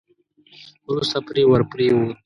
وروسته پرې ور پرېووت.